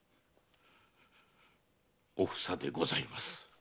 「おふさ」でございます。